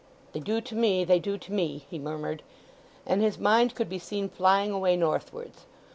"They do to me—they do to me," he murmured. And his mind could be seen flying away northwards.